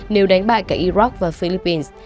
nếu đánh bại cả iraq và philippines